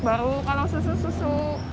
baru kalau susu susu